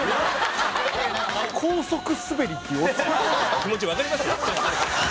「気持ちわかります？」